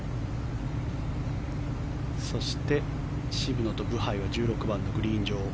そして、渋野とブハイは１６番のグリーン上。